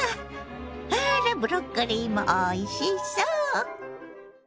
あらブロッコリーもおいしそう。